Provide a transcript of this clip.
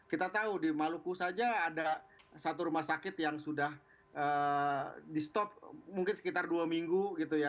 kita tahu di maluku saja ada satu rumah sakit yang sudah di stop mungkin sekitar dua minggu gitu ya